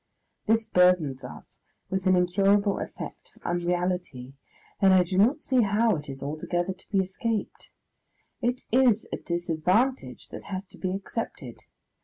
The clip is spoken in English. This burthens us with an incurable effect of unreality, and I do not see how it is altogether to be escaped. It is a disadvantage that has to be accepted.